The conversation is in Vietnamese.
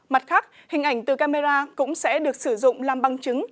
mặt khác hình ảnh từ camera cũng sẽ được sử dụng làm bằng chứng